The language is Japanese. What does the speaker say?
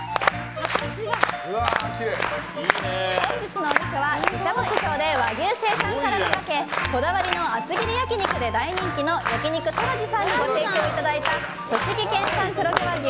本日のお肉は自社牧場で和牛生産から手掛けこだわりの厚切り焼き肉で大人気の焼肉トラジさんからご提供いただいた栃木県産黒毛和牛